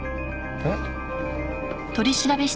えっ？